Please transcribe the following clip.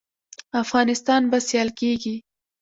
افغانستان به سیال کیږي؟